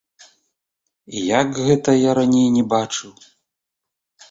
І як гэта я раней не бачыў.